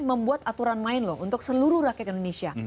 membuat aturan main loh untuk seluruh rakyat indonesia